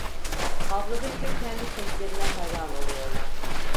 Havladıkça kendi seslerine hayran oluyorlar.